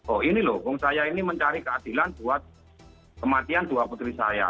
oh ini loh saya ini mencari keadilan buat kematian dua putri saya